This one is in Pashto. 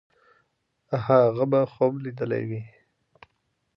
هغه به خوب لیدلی وي.